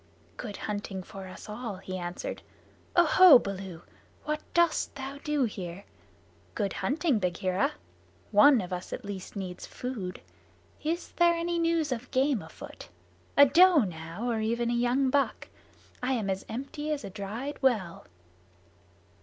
"Good hunting for us all," he answered. "Oho, Baloo, what dost thou do here? Good hunting, Bagheera. One of us at least needs food. Is there any news of game afoot? A doe now, or even a young buck? I am as empty as a dried well."